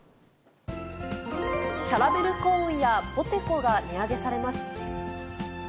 キャラメルコーンやポテコが値上げされます。